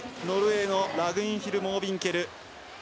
ノルウェーのラグンヒル・モービンケル。